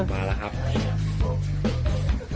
มาแล้วครับ